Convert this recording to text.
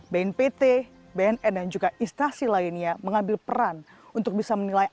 bnpt bnn dan juga instasi lainnya mengambil peran untuk bisa menilai